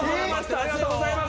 ありがとうございます。